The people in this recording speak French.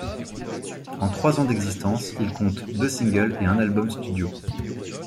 En trois ans d'existence, ils comptent deux singles et un album studio.